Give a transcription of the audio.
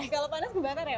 kalau panas kebakar ya pak